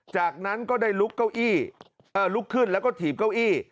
จากนั้นก็ได้ลุกขึ้นแล้วก็ถีบเก้าอี้